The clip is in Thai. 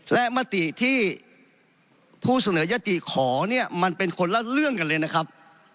และมติที่ผู้เสนอยติขอเนี่ยมันเป็นคนละเรื่องกันเลยนะครับ